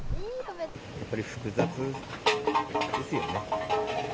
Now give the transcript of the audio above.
やっぱり複雑ですよね。